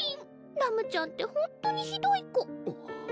ラムちゃんってホントにひどい子。